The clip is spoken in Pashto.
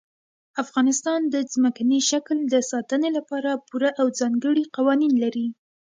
افغانستان د ځمکني شکل د ساتنې لپاره پوره او ځانګړي قوانین لري.